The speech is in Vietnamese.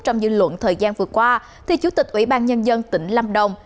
trong dư luận thời gian vừa qua thì chủ tịch ủy ban nhân dân tỉnh lâm đồng